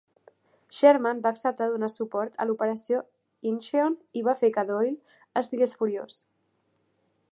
Sherman va acceptar donar suport a l'operació Incheon i va fer que Doyle estigués furiós.